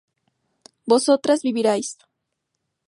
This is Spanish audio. vosotras viviríais